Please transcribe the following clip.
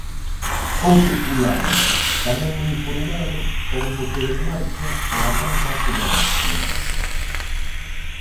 Outro fulano, tamén uniformado, pon o motor en marcha e arranca a toda hostia.